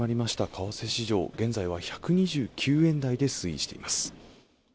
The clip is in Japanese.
為替市場現在は１２９円台で推移しています。